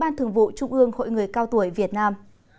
ban thường vụ trung ương hội người cao tuổi việt nam